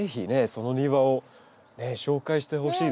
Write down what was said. その庭を紹介してほしいですね。